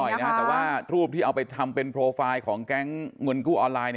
แต่ว่ารูปที่เอาไปทำเป็นโปรไฟล์ของแก๊งเงินกู้ออนไลน์